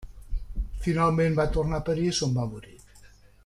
Finalment va tornar a París on va morir.